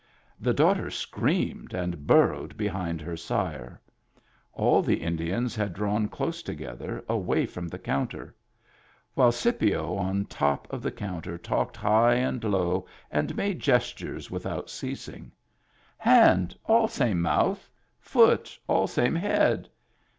The daughter screamed and burrowed behind her sire. All the Indians had drawn close together, away from the counter, while Scipio on top of the counter talked high and low, and made gestures without ceasing. " Hand all same mouth. Foot all same head.